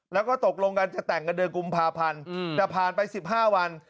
แล้วก็ตกลงกันจะแต่งกันเดือนกุมภาพันธ์แต่ผ่านไป๑๕วัน